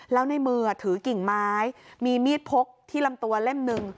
แล้วในมือถือกิ่งไม้มีมีดพกที่ลำตัวเล่มหนึ่ง